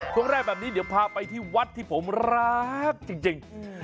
ช่วงแรกแบบนี้เดี๋ยวพาไปที่วัดที่ผมรักจริง